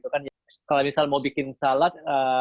kalau misal mau bikin salad